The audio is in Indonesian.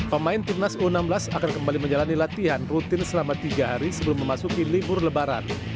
pemain timnas u enam belas akan kembali menjalani latihan rutin selama tiga hari sebelum memasuki libur lebaran